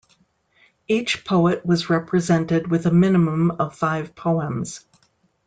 Each poet was represented with a minimum of five poems.